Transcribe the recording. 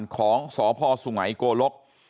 ของสพสุไหกลก